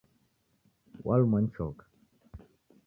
Walumwa ni choka